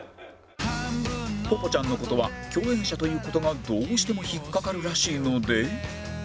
ぽぽちゃんの事は共演者という事がどうしても引っかかるらしいので